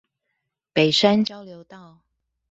北山交流道